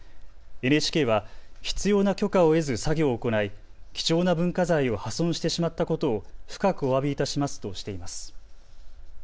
ＮＨＫは必要な許可を得ず作業を行い貴重な文化財を破損してしまったことを深くおわびいたしますとしています。